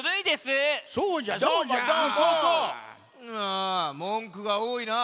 あもんくがおおいな。